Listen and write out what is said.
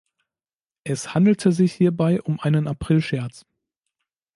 Es handelte sich hierbei um einen Aprilscherz.